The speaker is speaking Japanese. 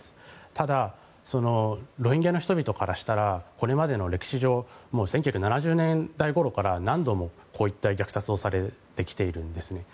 ただロヒンギャの人々からしたらこれまでの歴史上１９７０年代ごろから何度もこういった虐殺をされてきているんですね。